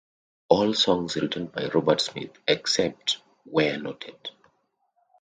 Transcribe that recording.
All songs written by Robert Smith, except where noted.